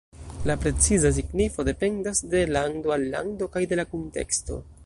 La preciza signifo dependas de lando al lando kaj de la kunteksto.